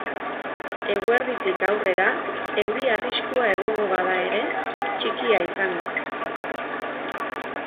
Eguerditik aurrera, euri arriskua egongo bada ere, txikia izango da.